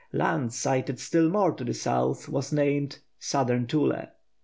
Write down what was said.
Land sighted still more to the south was named Southern Thule.